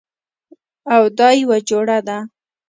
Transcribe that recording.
او دا یوه جوړه ده